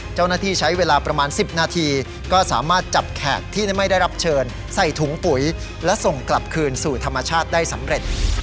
เจ้าหน้าที่ใช้เวลาประมาณ๑๐นาทีก็สามารถจับแขกที่ไม่ได้รับเชิญใส่ถุงปุ๋ยและส่งกลับคืนสู่ธรรมชาติได้สำเร็จ